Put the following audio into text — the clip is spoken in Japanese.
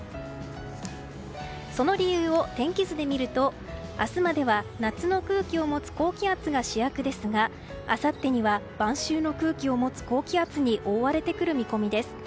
その理由を天気図で見ると明日までは夏の空気を持つ高気圧が主役ですがあさってには、晩秋の空気を持つ高気圧に覆われてくる見込みです。